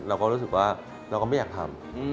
เราก็รู้สึกว่าเราก็ไม่อยากทำ